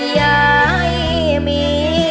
อย่าให้มี